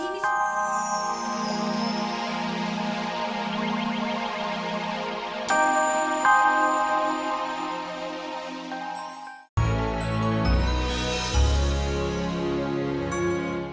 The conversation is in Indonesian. mama tega benar